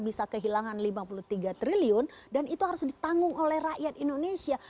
bisa kehilangan lima puluh tiga triliun dan itu harus ditanggung oleh rakyat indonesia